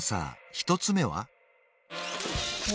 １つ目は？